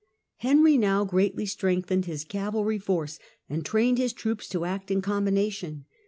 Henry now greatly strengthened his cavalry force, and trained his troops to act in combination.